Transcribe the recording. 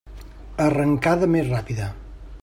Arrencada més ràpida.